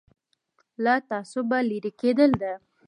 له تعصبه لرې کېدل ده.